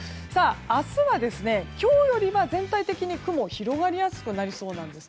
明日は、今日よりは全体的に広がりやすくなりそうなんです。